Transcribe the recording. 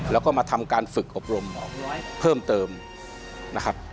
แล้วก็มาทำการฝึกอบรมเพิ่มเติมนะครับ